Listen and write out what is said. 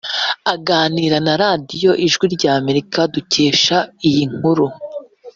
aganira na Radio Ijwi rya Amerika dukesha iyi nkuru